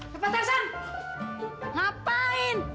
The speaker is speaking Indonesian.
bapak tarzan ngapain